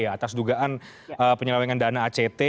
atas dugaan penyelewengan dana act